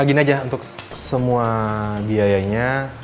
gini aja untuk semua biayanya